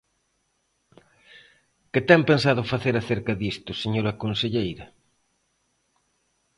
¿Que ten pensado facer acerca disto, señora conselleira?